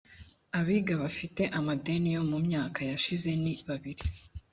abiga bafite amadeni yo mu myaka yashize ni babiri